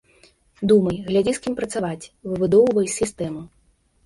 Думай, глядзі, з кім працаваць, выбудоўвай сістэму.